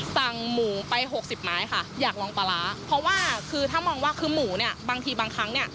สั่งหมูไปหกสิบไม้ค่ะอยากลองปลาร้าเพราะว่าคือถ้ามองว่าคือหมูเนี่ยบางทีบางครั้งเนี่ย